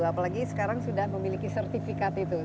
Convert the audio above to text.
apalagi sekarang sudah memiliki sertifikat itu